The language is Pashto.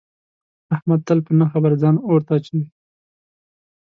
احمد تل په نه خبره ځان اور ته اچوي.